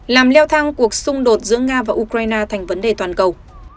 làm leo thang cuộc xung đột giữa nga và ukraine thành vấn đề toàn cầu